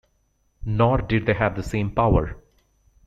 Nor did they have the same power.